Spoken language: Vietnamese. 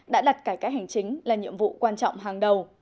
đã đặt cải cách hành chính là nhiệm vụ quan trọng hàng đầu